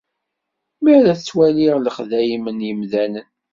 Mi ara ttwaliɣ lexdayem n yimdanen.